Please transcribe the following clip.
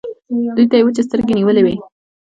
دوی ته يې وچې سترګې نيولې وې.